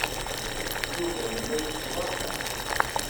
Yuba yella yettẓalla.